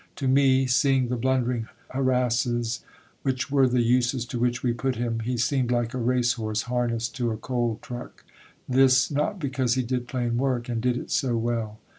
To me, seeing the blundering harasses which were the uses to which we put him, he seemed like a race horse harnessed to a coal truck. This not because he did "plain work" and did it so well.